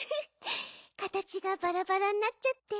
かたちがバラバラになっちゃって。